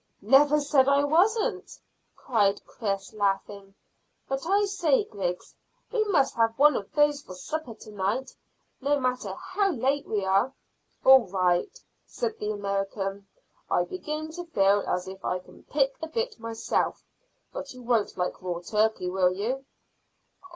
"Never said I wasn't," cried Chris, laughing. "But I say, Griggs, we must have one of those for supper to night, no matter how late we are." "All right," said the American. "I begin to feel as if I can pick a bit myself; but you won't like raw turkey, will you?"